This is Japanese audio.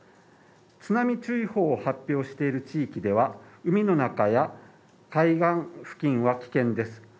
津波注意報を発表している地域では、海の中や海岸付近は危険です。